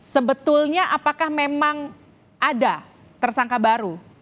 sebetulnya apakah memang ada tersangka baru